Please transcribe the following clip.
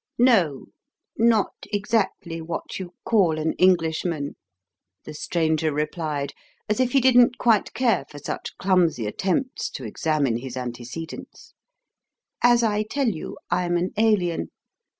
"No, not exactly what you call an Englishman," the stranger replied, as if he didn't quite care for such clumsy attempts to examine his antecedents. "As I tell you, I'm an Alien.